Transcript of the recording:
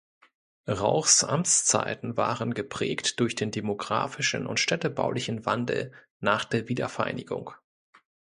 Rauchs Amtszeiten waren geprägt durch den demografischen und städtebaulichen Wandel nach der Wiedervereinigung.